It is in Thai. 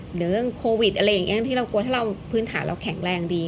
เรื่องโควิดอะไรอย่างนี้ที่เรากลัวถ้าเราพื้นฐานเราแข็งแรงดี